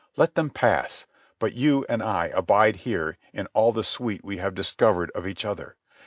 Let them pass. But you and I abide here in all the sweet we have discovered of each other.